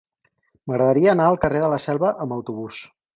M'agradaria anar al carrer de la Selva amb autobús.